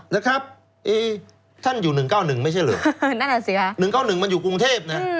นะครับท่านอยู่๑๙๑ไม่ใช่หรือ๑๙๑มันอยู่กรุงเทพเนี่ย